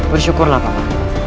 bersyukurlah pak ma